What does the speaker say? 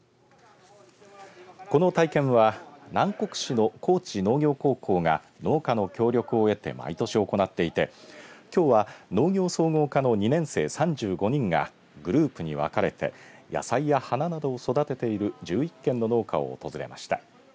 この体験は南国市の高知農業高校が農家の協力を得て毎年行っていてきょうは農業総合科の２年生３５人がグループに分かれて野菜や花などを育てている１１軒の農家を訪れました。